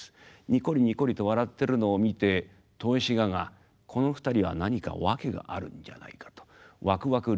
ニコリニコリと笑ってるのを見て豊志賀がこの２人は何か訳があるんじゃないかと湧く湧く